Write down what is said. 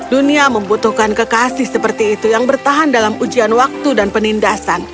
dunia membutuhkan kekasih seperti itu yang bertahan dalam ujian waktu dan penindasan